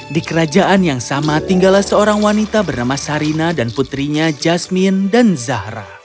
di kerajaan yang sama tinggallah seorang wanita bernama sarina dan putrinya jasmine dan zahra